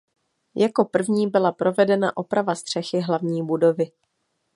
Jako první byla provedena oprava střechy hlavní budovy.